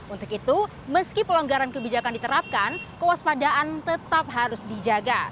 untuk itu meski pelonggaran kebijakan diterapkan kewaspadaan tetap harus dijaga